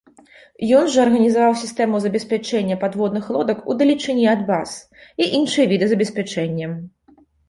Ён жа арганізаваў сістэму забеспячэння падводных лодак удалечыні ад баз, і іншыя віды забеспячэння.